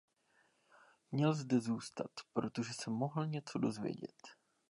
Měl zde zůstat, protože se mohl něco dozvědět.